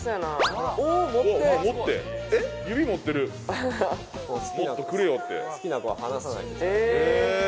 指持ってるもっとくれよって好きな子は離さないんですよ